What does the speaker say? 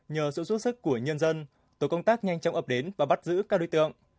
nhờ sự xuất sắc của nhân dân tổ công tác nhanh chóng ập đến và bắt giữ các đối tượng